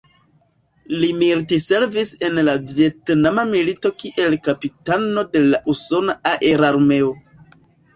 Li militservis en la Vjetnama milito kiel kapitano de la usona aerarmeo.